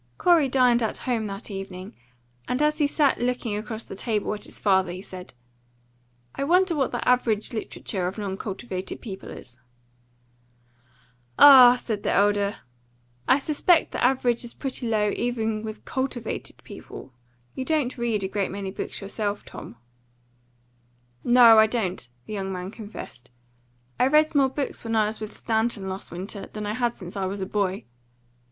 Corey dined at home that evening, and as he sat looking across the table at his father, he said, "I wonder what the average literature of non cultivated people is." "Ah," said the elder, "I suspect the average is pretty low even with cultivated people. You don't read a great many books yourself, Tom." "No, I don't," the young man confessed. "I read more books when I was with Stanton, last winter, than I had since I was a boy.